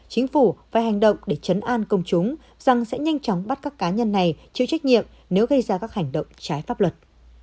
chính phủ phải hành động để chấn an công chúng rằng sẽ nhanh chóng bắt các cá nhân này chịu trách nhiệm nếu gây ra các hành động trái pháp luật